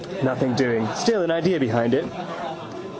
Nothing doing. Still an idea behind it.